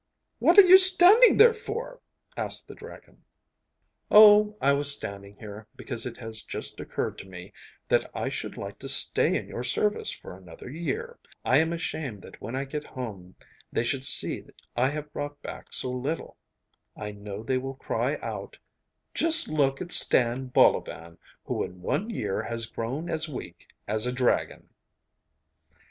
'What are you standing there for?' asked the dragon. 'Oh, I was standing here because it has just occurred to me that I should like to stay in your service for another year. I am ashamed that when I get home they should see I have brought back so little. I know that they will cry out, "Just look at Stan Bolovan, who in one year has grown as weak as a dragon."